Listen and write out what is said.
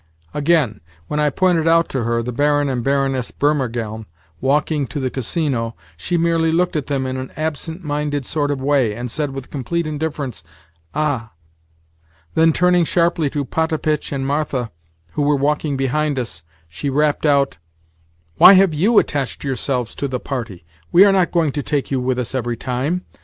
Again, when I pointed out to her the Baron and Baroness Burmergelm walking to the Casino, she merely looked at them in an absent minded sort of way, and said with complete indifference, "Ah!" Then, turning sharply to Potapitch and Martha, who were walking behind us, she rapped out: "Why have you attached yourselves to the party? We are not going to take you with us every time.